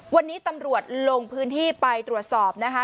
วันนี้ตำรวจลงพื้นที่ไปตรวจสอบนะคะ